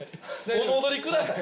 お戻りください！